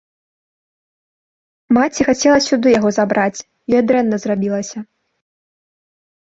Маці хацела сюды яго забраць, ёй дрэнна зрабілася.